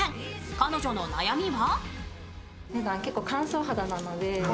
彼女の悩みは？